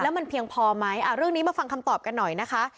มันเพียงพอไหมเรื่องนี้มาฟังคำตอบกันหน่อยนะคะ